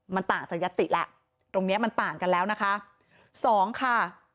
มันต่างจากยศติแหละตรงนี้มันต่างกันแล้วนะคะ